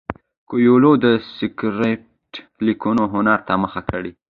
کویلیو د سکرېپټ لیکلو هنر ته مخه کړه.